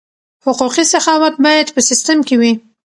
حقوقي سخاوت باید په سیستم کې وي.